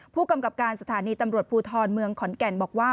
ผู้กำกับการสถานีตำรวจภูทรเมืองขอนแก่นบอกว่า